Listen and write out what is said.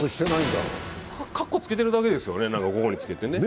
かっこつけてるだけですよね、ここにつけてね。